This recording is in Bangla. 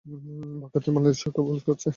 বাকি অর্থায়ন বাংলাদেশ সরকার করছে।